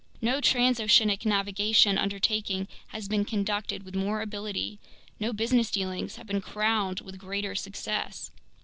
No transoceanic navigational undertaking has been conducted with more ability, no business dealings have been crowned with greater success.